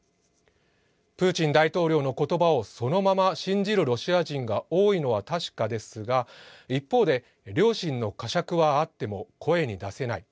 プーチン大統領の言葉をそのまま信じるロシア人が多いのは確かですが一方で良心の呵責はあっても声に出せない